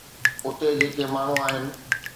اتي جيڪي ماڻهو آهن.